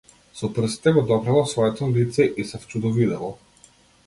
Со прстите го допрело своето лице и се вчудовидело.